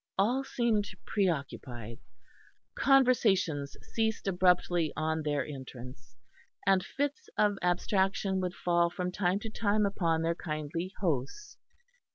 All seemed preoccupied; conversations ceased abruptly on their entrance, and fits of abstraction would fall from time to time upon their kindly hosts.